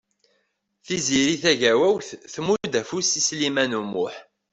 Tiziri Tagawawt tmudd afus i Sliman U Muḥ.